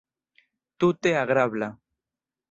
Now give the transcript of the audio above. Tute agrabla.